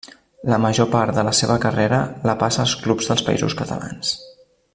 La major part de la seva carrera la passa a clubs dels Països Catalans.